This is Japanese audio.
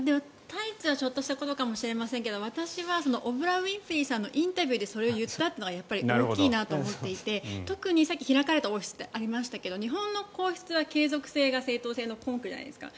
タイツはちょっとしたことかもしれませんけど私はオブラ・ウィンフリーさんのインタビューでそれを言ったというのが大きいなと思っていてさっき開かれた王室ってありましたが日本の皇室は継続性が正統性の根拠じゃないですか。